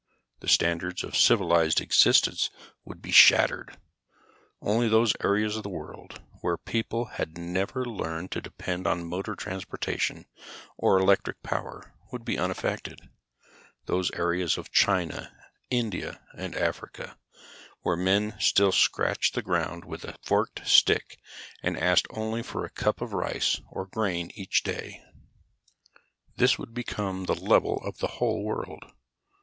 The standards of civilized existence would be shattered. Only those areas of the world, where people had never learned to depend on motor transportation or electric power, would be unaffected; those areas of China, India and Africa, where men still scratched the ground with a forked stick and asked only for a cup of rice or grain each day. This would become the level of the whole world.